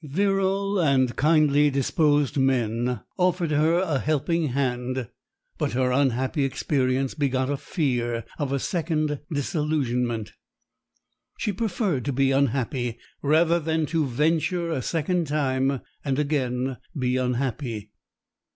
Virile and kindly disposed men offered her a helping hand. But her unhappy experience begot a fear of a second disillusionment. She preferred to be unhappy rather than to venture a second time and again be unhappy.